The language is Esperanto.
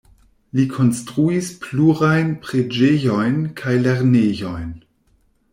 Li konstruis plurajn preĝejojn kaj lernejojn.